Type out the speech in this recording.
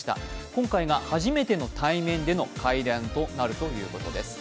今回が初めての対面での会談となるということです。